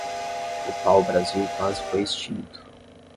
O pau-brasil quase foi extinto